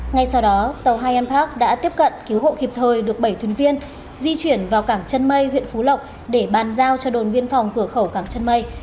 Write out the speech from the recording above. ngay sau đó tàu hai em park đã tiếp cận cứu hộ kịp thời được bảy thuyền viên di chuyển vào cảng chân mây huyện phú lộc để bàn giao cho đồn biên phòng cửa khẩu cảng chân mây